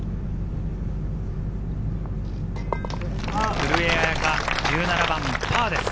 古江彩佳、１７番はパーです。